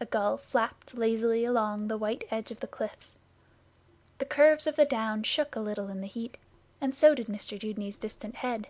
A gull flapped lazily along the white edge of the cliffs. The curves of the Downs shook a little in the heat, and so did Mr Dudeney's distant head.